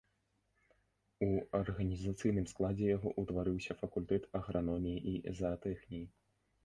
У арганізацыйным складзе яго ўтварыўся факультэт аграноміі і заатэхніі.